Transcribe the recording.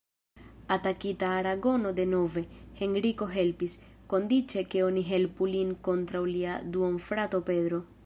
Atakita Aragono denove, Henriko helpis, kondiĉe ke oni helpu lin kontraŭ lia duonfrato Pedro.